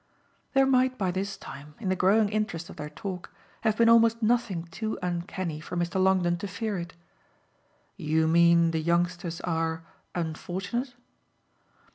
There might by this time, in the growing interest of their talk, have been almost nothing too uncanny for Mr. Longdon to fear it. "You mean the youngsters are unfortunate?"